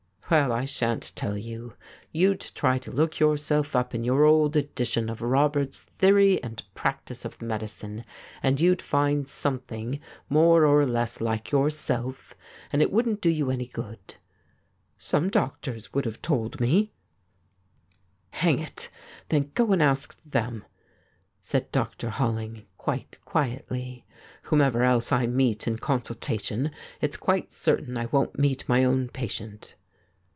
Well, I shan't tell you. You'd try to look yourself up in your old edition of Roberts's " Theory and Practice of Medicine," and you'd find something more or less like yourself, and it wouldn't do you any good.' 'Some doctors would have told me.' 31 THIS IS ALL ' Hang it ! then, go and ask them/ said Dr. Holling quite quietly. ' Whomever else I meet in con sultation^ it's quite certain I won't meet my own patient.'